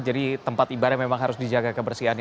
jadi tempat ibarat memang harus dijaga kebersihan